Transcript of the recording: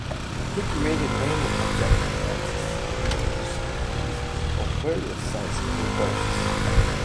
He created many objective lenses, mirrors, and prisms of various sizes and purposes.